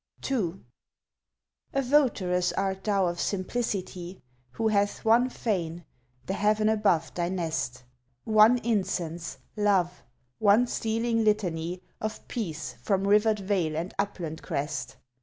2 A votaress art thou of Simplicity, Who hath one fane the heaven above thy nest; One incense love; one stealing litany Of peace from rivered vale and upland crest.